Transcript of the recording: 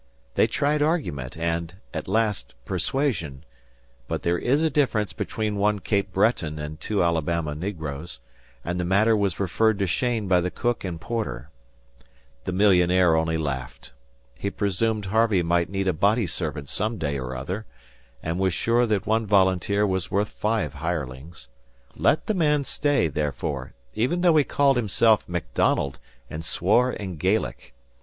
They tried argument and, at last, persuasion; but there is a difference between one Cape Breton and two Alabama negroes, and the matter was referred to Cheyne by the cook and porter. The millionaire only laughed. He presumed Harvey might need a body servant some day or other, and was sure that one volunteer was worth five hirelings. Let the man stay, therefore; even though he called himself MacDonald and swore in Gaelic.